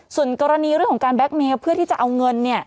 ส่วนกรณีเรื่องของการแก๊กเมลเพื่อที่จะเอาเงิน